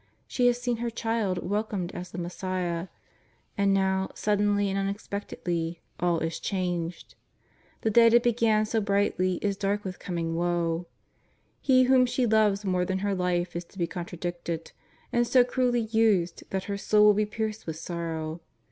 She has seen her Child wel comed as the Messiah. And now, suddenly and un expectedly, all is changed. The day that began so brightly is dark with coming woe. He whom she loves more than her life is to be contradicted, and so cruelly used, that her soul will be pierced with sorrow.